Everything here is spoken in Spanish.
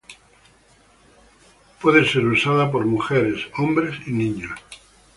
Puede ser usada por mujeres, hombres y niños.